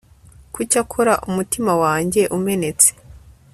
kuki akora umutima wanjye umenetse